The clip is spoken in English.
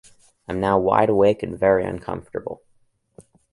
I'm now wide awake and very uncomfortable.